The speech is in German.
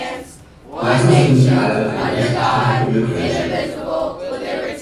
Lassen Sie mich also den Berichterstatter beglückwünschen.